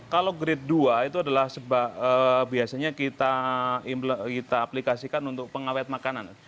kalau grade dua itu adalah biasanya kita aplikasikan untuk pengawet makanan